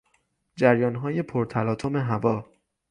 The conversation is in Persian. جریانهای پرتلاطم هوا